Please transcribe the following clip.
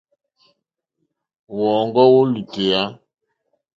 Wɔ́ɔ̌ŋɡɔ́ wó lùtèyà.